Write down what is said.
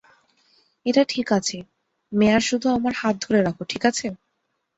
এটা ঠিক আছে, মেয়ার শুধু আমার হাত ধরে রাখ - ঠিক আছে?